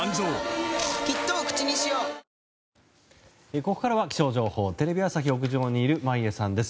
ここからは気象情報テレビ朝日屋上にいる眞家さんです。